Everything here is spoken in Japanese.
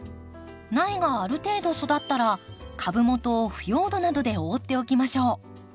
苗がある程度育ったら株元を腐葉土などで覆っておきましょう。